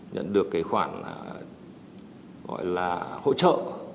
nhận được cái khoản gọi là hỗ trợ